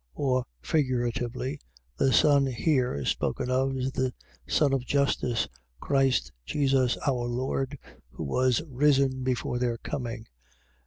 Or, figuratively, the sun here spoken of is the sun of justice, Christ Jesus our Lord, who was risen before their coming.